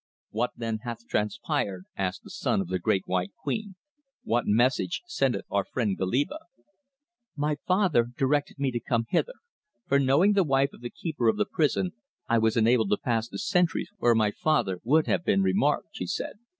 "What then hath transpired?" asked the son of the Great White Queen. "What message sendeth our friend Goliba?" "My father directed me to come hither, for knowing the wife of the Keeper of the Prison I was enabled to pass the sentries where my father would have been remarked," she said.